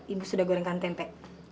ibu sudah gorengkan tempe